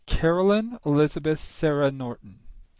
Caroline Elizabeth Sarah Norton.